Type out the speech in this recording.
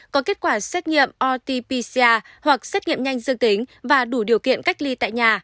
có kết quả xét nghiệm rt pcr hoặc xét nghiệm nhanh dương tính và đủ điều kiện cách ly tại nhà